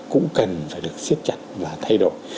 cũng cần phải được siết chặt và thay đổi